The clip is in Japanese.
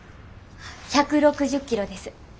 １６０キロです。